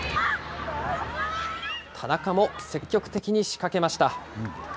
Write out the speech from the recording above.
田中も積極的に仕掛けました。